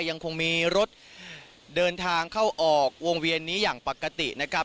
ยังคงมีรถเดินทางเข้าออกวงเวียนนี้อย่างปกตินะครับ